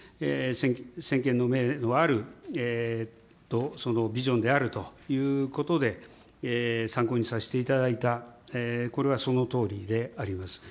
先見の明のあるビジョンであるということで、参考にさせていただいた、これはそのとおりであります。